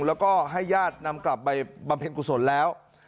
แล้วก็ให้ญาตินำกลับไปบำเพ็ญกุศลแล้ว